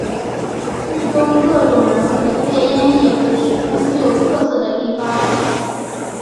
剧中各种人物的配音也是十分具有特色的地方。